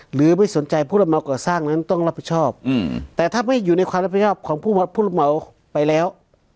หรือไม่สนใจผู้รับเหมาก่อสร้างนั้นต้องรับผิดชอบแต่ถ้าไม่อยู่ในความรับผิดชอบของผู้รับเหมาไปแล้ว